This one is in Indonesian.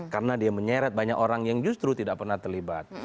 karena dia menyeret banyak orang yang justru tidak pernah terlibat